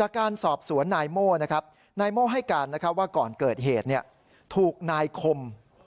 จากการสอบสวนนายโม่นะครับนายโม่ให้การว่าก่อนเกิดเหตุถูกนายคม